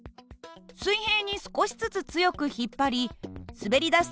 水平に少しずつ強く引っ張り滑りだす